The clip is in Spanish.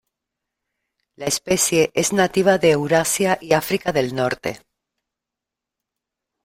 La especie es nativa de Eurasia y África del Norte.